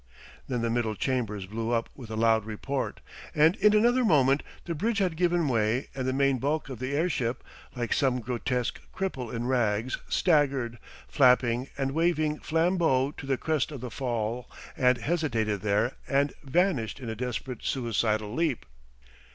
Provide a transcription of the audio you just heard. Then the middle chambers blew up with a loud report, and in another moment the bridge had given way and the main bulk of the airship, like some grotesque cripple in rags, staggered, flapping and waving flambeaux to the crest of the Fall and hesitated there and vanished in a desperate suicidal leap.